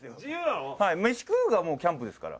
飯食うがキャンプですから。